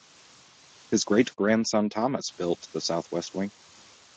His great-grandson Thomas built the south-west wing.